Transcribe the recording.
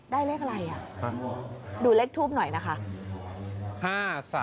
เลขอะไรดูเลขทูปหน่อยนะคะ